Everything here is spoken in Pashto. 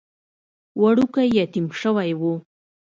وړوکی يتيم شوی و.